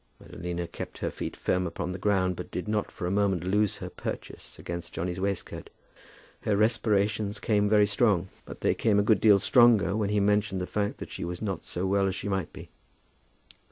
Madalina kept her feet firm upon the ground, but did not for a moment lose her purchase against Johnny's waistcoat. Her respirations came very strong, but they came a good deal stronger when he mentioned the fact that she was not so well as she might be.